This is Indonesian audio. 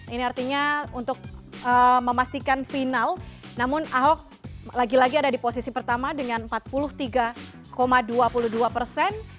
ini artinya untuk memastikan final namun ahok lagi lagi ada di posisi pertama dengan empat puluh tiga dua puluh dua persen